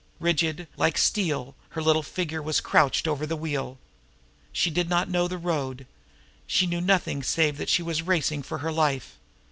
Rigid, like steel, her little figure was crouched over the wheel. She did not know the road. She knew nothing save that she was racing for her life.